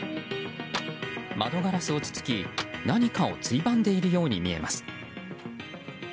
窓ガラスをつつき何かをついばんでいるように見えます。